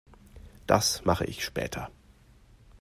Das mache ich später.